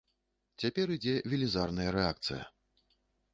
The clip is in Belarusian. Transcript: Цяпер ідзе велізарная рэакцыя.